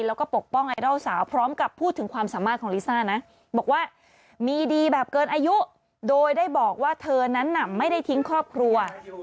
แล้วก็ปกป้องไอดอลสาว